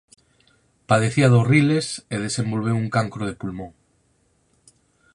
Padecía dos riles e desenvolveu un cancro de pulmón.